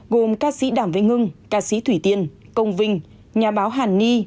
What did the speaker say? gồm ca sĩ đảm vĩnh hưng ca sĩ thủy tiên công vinh nhà báo hàn ni